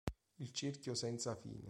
Il cerchio senza fine.